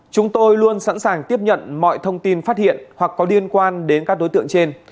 chúng tôi luôn sẵn sàng tiếp nhận mọi thông tin phát hiện hoặc có liên quan đến các đối tượng trên